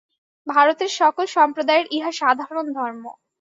ভারতের সকল সম্প্রদায়ের ইহা সাধারণ ধর্ম।